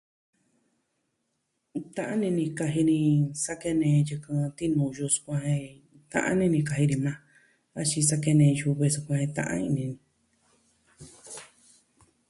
Ta'an ini ni kaji ni sa kene yɨkɨn tinuyu suu a jen... ta'an ini ni kaji ni maa. Axin sa kene yuve sukuan de ta'an in ni.